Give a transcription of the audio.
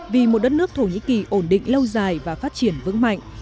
vì một đất nước thổ nhĩ kỳ ổn định lâu dài và phát triển vững mạnh